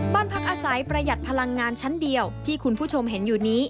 บ้านพักอาศัยประหยัดพลังงานชั้นเดียวที่คุณผู้ชมเห็นอยู่นี้